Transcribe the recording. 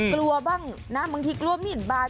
กลัวบ้างนะบางทีกลัวหมินบาน